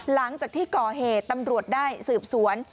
หลังจากที่ก่อเหตุตำรวจได้สืบสวน